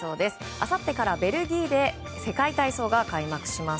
あさってからベルギーで世界体操が開幕します。